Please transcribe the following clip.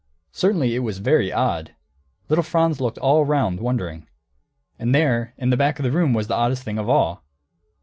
Certainly it was very odd. Little Franz looked all round, wondering. And there in the back of the room was the oddest thing of all.